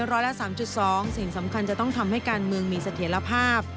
๓๒สิ่งสำคัญจะต้องทำให้การเมืองมีเสถียรภาพ